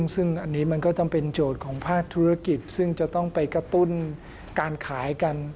ซึ่งอันนี้มันก็ต้องเป็นโจทย์ของภาคธุรกิจซึ่งจะต้องไปกระตุ้นการขายกัน